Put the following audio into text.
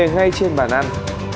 ngay trên bàn ăn